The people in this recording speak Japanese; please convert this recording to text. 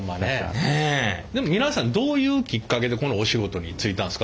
でも皆さんどういうきっかけでこのお仕事に就いたんですか？